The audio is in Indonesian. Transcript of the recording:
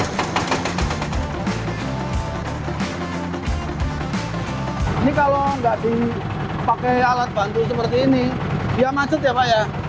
ini kalau nggak dipakai alat bantu seperti ini dia macet ya pak ya